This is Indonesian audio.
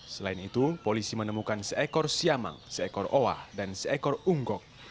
selain itu polisi menemukan seekor siamang seekor owa dan seekor unggok